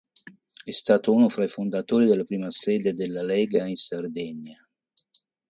È stato uno fra i fondatori della prima sede della Lega in Sardegna.